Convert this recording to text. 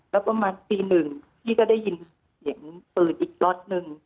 แล้วก็ประมาณปี๑ที่ก็ได้ยินเสียงปืนอีกล็อตนึง